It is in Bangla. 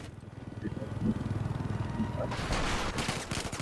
কুসুমও যদি একদিন কোনো ছলে আচমকা আসিয়া হাজির হইত।